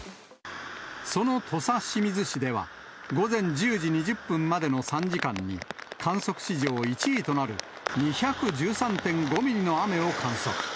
その土佐清水市では、午前１０時２０分までの３時間に、観測史上１位となる２１３．５ミリの雨を観測。